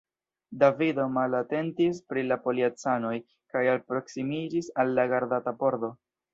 Davido malatentis pri la policanoj kaj alproksimiĝis al la gardata pordo.